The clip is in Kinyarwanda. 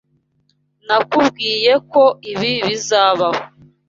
Nakubwiye ko ibi bizabaho.